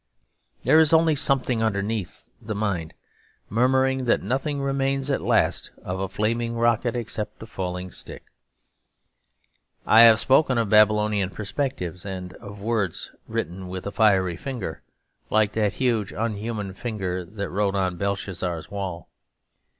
There is only something underneath the mind murmuring that nothing remains at last of a flaming rocket except a falling stick. I have spoken of Babylonian perspectives, and of words written with a fiery finger, like that huge unhuman finger that wrote on Belshazzar's wall....